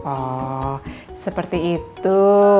oh seperti itu